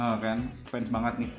oh kan fans banget nih